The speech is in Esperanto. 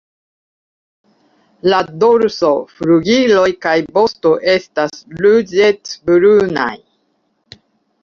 La dorso, flugiloj kaj vosto estas ruĝecbrunaj.